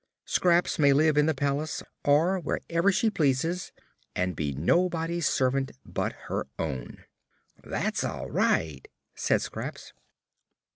Scraps may live in the palace, or wherever she pleases, and be nobody's servant but her own." "That's all right," said Scraps.